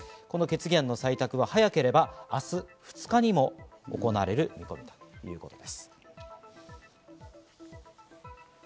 この決議案の採択は早ければ明日２日にも行われる見込みということです。